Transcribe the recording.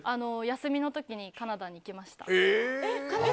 休みの時にカナダに行きました。